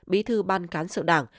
bí thư ban cán sự đảng